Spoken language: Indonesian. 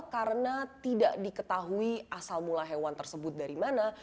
karena tidak diketahui asal mula hewan tersebut dari mana